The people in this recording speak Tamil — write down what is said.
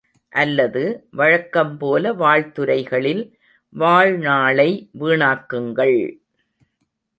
அல்லது வழக்கம்போல வாழ்த்துரைகளில் வாழ்நாளை வீணாக்குங்கள்!